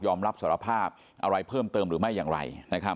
รับสารภาพอะไรเพิ่มเติมหรือไม่อย่างไร